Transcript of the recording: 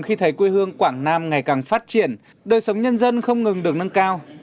khi thấy quê hương quảng nam ngày càng phát triển đời sống nhân dân không ngừng được nâng cao